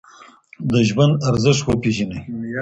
د ژوند ارزښت وپېژنئ.